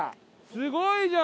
すごいじゃん！